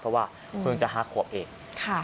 เพราะว่าคุณจะห้าขัวเอก